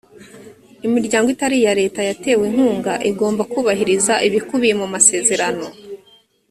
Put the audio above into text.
imiryango itari iya leta yatewe inkunga igomba kubahiriza ibikubiye mu masezerano